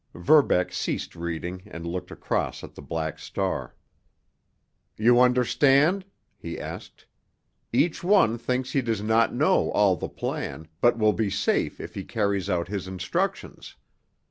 Verbeck ceased reading, and looked across at the Black Star. "You understand?" he asked. "Each one thinks he does not know all the plan, but will be safe if he carries out his instructions.